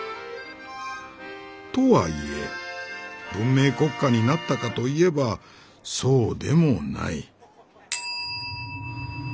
とはいえ文明国家になったかといえばそうでもない」。